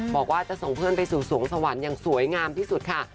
บอกว่าจะส่งเพื่อนไปสู่สวงสวรรค์อย่างสวยงามที่สุดค่ะ